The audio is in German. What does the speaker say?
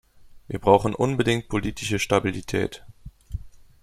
Wir brauchen unbedingt politische Stabilität.